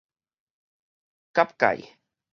蛤蚧